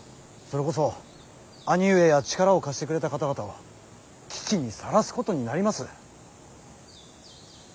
それこそ兄上や力を貸してくれた方々を危機にさらすことになります。